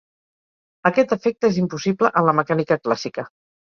Aquest efecte és impossible en la mecànica clàssica.